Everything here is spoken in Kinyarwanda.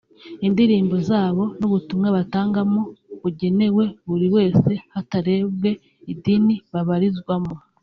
indirimbo zabo n’ubutumwa batangamo bugenewe buri wese hatarebwe idini abarizwamo